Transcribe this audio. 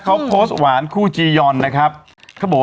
เค้าโพสต์หวานคู่จียอนนะครับ